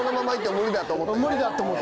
無理だと思って。